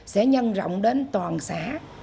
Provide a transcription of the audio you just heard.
sẽ nhân rộng đến toàn xã